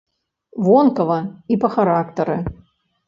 Вонкава і па характары.